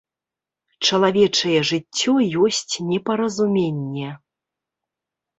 Чалавечае жыццё ёсць непаразуменне.